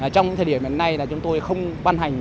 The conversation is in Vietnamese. trong thời điểm này là chúng tôi không ban hành